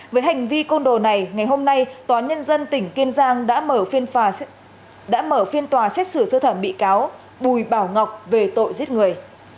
với hành vi côn đồ này ngày hôm nay tòa nhân dân tỉnh kiên giang đã mở phiên tòa xét xử sơ thẩm bị cáo bùi bảo ngọc về tội giết người